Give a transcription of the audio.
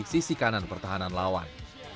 sisi kanan pertahanan lawan